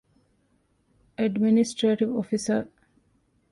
އ.އެޑްމިނިސްޓްރޭޓިވް އޮފިސަރ